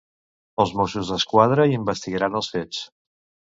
Els Mossos d'Esquadra investigaran els fets.